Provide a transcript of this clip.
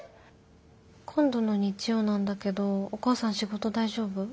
今度の日曜なんだけどお母さん仕事大丈夫？